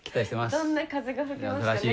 どんな風が吹きますかね。